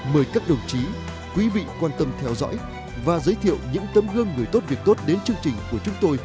mời các đồng chí quý vị quan tâm theo dõi và giới thiệu những tấm gương người tốt việc tốt đến chương trình của chúng tôi